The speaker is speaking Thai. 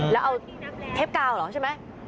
แล้วเอาเทปกาวเหรอใช่ไหม